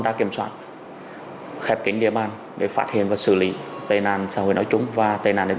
trang kiểm soát khép kính địa bàn để phát hiện và xử lý tên àn xã hội nói chung và tên àn đánh